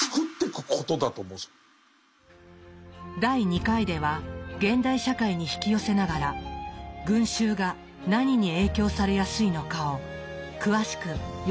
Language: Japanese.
第２回では現代社会に引き寄せながら群衆が何に影響されやすいのかを詳しく読み解いていきます。